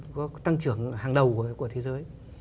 có tăng trưởng hàng đầu của thế giới